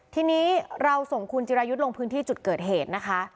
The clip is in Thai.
ทีนี้เราส่งคุณจิรายุทธ์ลงพื้นที่จุดเกิดเหตุนะคะ